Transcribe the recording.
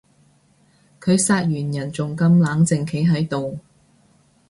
佢殺完人仲咁冷靜企喺度